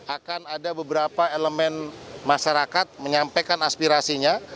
akan ada beberapa elemen masyarakat menyampaikan aspirasinya